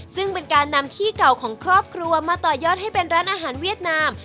ซึ่งเป็นการนำที่เก่าของครอบครัวมาต่อยอดให้เป็นร้านอาหารเวียดนาม